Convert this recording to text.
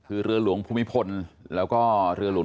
คือเรือหลวงภูมิพลแล้วก็เรือหลวง